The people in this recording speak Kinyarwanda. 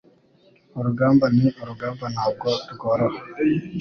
Urugamba ni urugamba ntabwo rworoha